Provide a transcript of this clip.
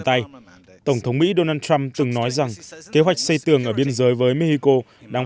tay tổng thống mỹ donald trump từng nói rằng kế hoạch xây tường ở biên giới với mexico đang